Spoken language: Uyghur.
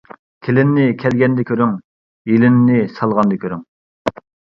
كېلىننى كەلگەندە كۆرۈڭ، يېلىننى سالغاندا كۆرۈڭ.